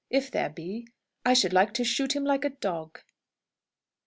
If there be, I should like to shoot him like a dog!"